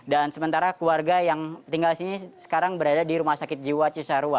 dan sementara keluarga yang tinggal sini sekarang berada di rumah sakit jiwa cisarua renhar